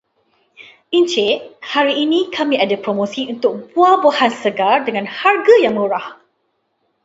Encik, hari ini kami ada promosi untuk buah-buahan segar dengan harga yang murah.